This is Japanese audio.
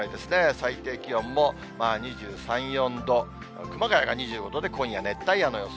最低気温も２３、４度、熊谷が２５度で今夜熱帯夜の予想。